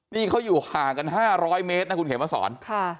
นี่เขาอยู่ห่างกัน๕๐๐เมตรนะคุณเขียนมาสอน